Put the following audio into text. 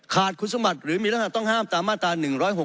ขาดคุณสมบัติหรือมีลักษณะต้องห้ามตามมาตรา๑๖๖